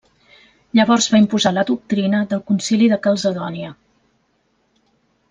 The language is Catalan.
Llavors va imposar la doctrina del concili de Calcedònia.